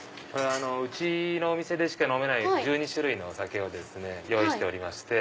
うちのお店でしか飲めない１２種類のお酒を用意しておりまして。